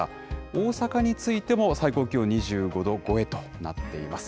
大阪についても最高気温２５度超えとなっています。